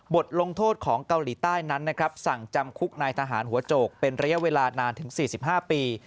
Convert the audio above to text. บทลงโทษของเกาหลีใต้นั้นนะครับสั่งจำคุกนายทหารหัวโจกเป็นระยะเวลานานถึง๔๕ปี